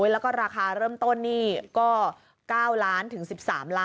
แล้วก็ราคาเริ่มต้นก็๙หรือ๑๓ล้านที่นี่